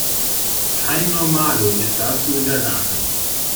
Kein Normalo ist dazu in der Lage.